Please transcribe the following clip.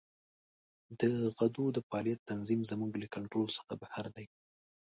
د غدو د فعالیت تنظیم زموږ له کنترول څخه بهر دی.